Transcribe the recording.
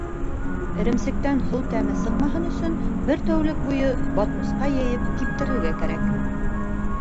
Эремсектән һыу тәме сыҡмаһын өсөн, бер тәүлек буйы батмусҡа йәйеп киптерергә кәрәк.